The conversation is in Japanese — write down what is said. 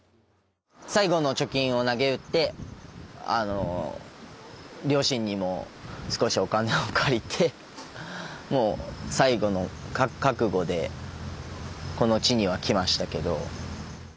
最後の貯金をなげうってあの両親にも少しお金を借りてもう最後の覚悟でこの地には来ましたけど。